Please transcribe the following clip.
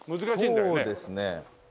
そうですね。